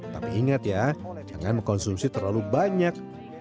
tapi ingat ya jangan mengkonsumsi terlalu banyak